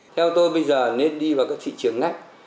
theo tôi bây giờ nên đi vào các thị trường ngách